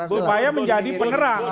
supaya menjadi penerang